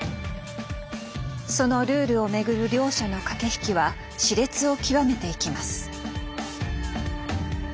そのルールをめぐる両者の駆け引きは熾烈を極めていきます。